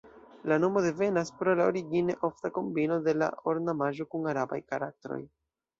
La nomo devenas pro la origine ofta kombino de la ornamaĵo kun arabaj karaktroj.